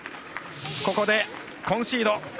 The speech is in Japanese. ここでコンシード。